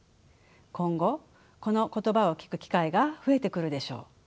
今後この言葉を聞く機会が増えてくるでしょう。